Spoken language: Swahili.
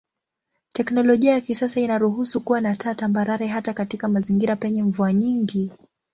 Teknolojia ya kisasa inaruhusu kuwa na taa tambarare hata katika mazingira penye mvua nyingi.